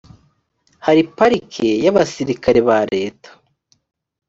hari parike y abasirikare ba leta